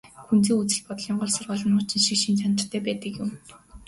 Күнзийн үзэл бодлын гол сургаал нь хуучинсаг шинж чанартай байдаг юм.